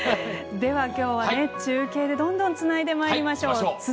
きょうは中継でどんどんつないでまいりましょう。